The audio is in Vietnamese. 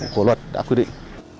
của luật đã quy định